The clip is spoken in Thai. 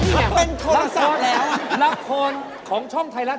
จะมองพูด